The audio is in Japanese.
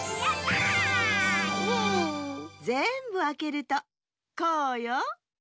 ぜんぶあけるとこうよ。